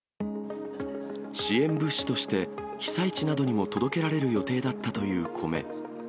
支援物資として、被災地などにも届けられる予定だったという米。